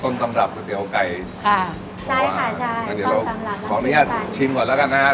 ต้นสำหรับก๋วยเตี๋ยวไก่ค่ะใช่ค่ะใช่ของเนี้ยชิมก่อนแล้วกันนะฮะ